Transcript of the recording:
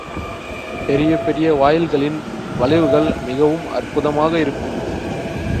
பெரிய பெரிய வாயில்களின் வளைவுகள் மிகவும் அற்புதமாக இருக்கும்.